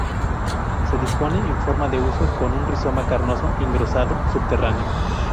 Se dispone en forma de huso con un rizoma carnoso engrosado subterráneo.